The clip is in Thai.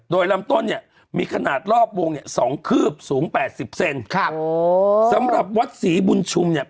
โดยลำต้นเนี่ยมีขนาดรอบวงเนี่ยสองคืบสูงแปดสิบเซนครับโอ้สำหรับวัดศรีบุญชุมเนี่ย